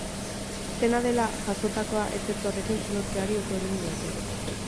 Dena dela, jazotakoa ezetz horrekin lotzeari uko egin diote.